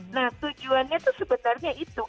nah tujuannya itu sebenarnya itu